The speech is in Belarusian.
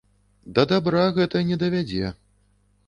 Да дабра гэта не давядзе.